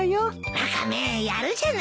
ワカメやるじゃないか。